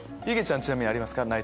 いげちゃんちなみにありますか？